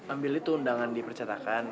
ambil itu undangan di percetakan